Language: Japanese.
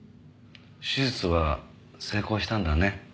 手術は成功したんだね。